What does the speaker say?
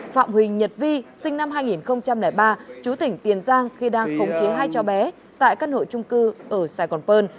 phạm huỳnh nhật vi sinh năm hai nghìn ba chú tỉnh tiền giang khi đang khống chế hai trò bé tại căn hội trung cư sài gòn phơn